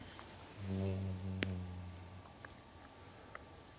うん。